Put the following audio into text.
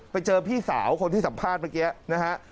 ไปเจอพี่สาวคนที่สัมภาษณ์เมื่อกี้นะฮะ